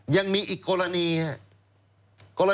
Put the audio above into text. ยังมีอีกกรณีครับ